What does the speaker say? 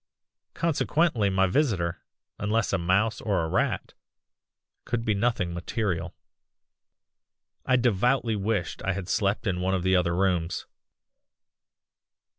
Consequently my visitor, unless a mouse or a rat, could be nothing material. "I devoutly wished I had slept in one of the other rooms.